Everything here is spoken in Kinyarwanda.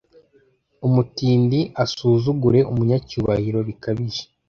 umutindi asuzugure umunyacyubahiro bikabije